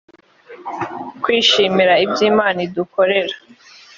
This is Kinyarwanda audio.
twishimira ibyimana idukorera.